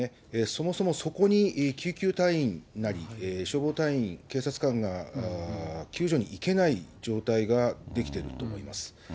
そもそもそこに救急隊員なり、消防隊員、警察官が救助に行けない状態ができてると思います。